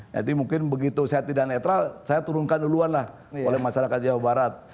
jadi mungkin begitu saya tidak netral saya turunkan duluan lah oleh masyarakat jawa barat